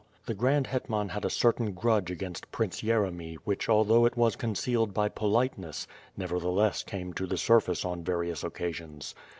The Grand Iletman had a certain grudge against Prince Yeremy which although it was concealed by politeness, never theless came to the surface on various occasions.